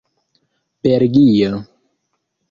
belgio